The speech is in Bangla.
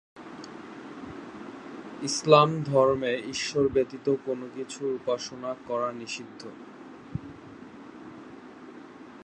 ইসলাম ধর্মে ঈশ্বর ব্যতীত কোন কিছুর উপাসনা করা নিষিদ্ধ।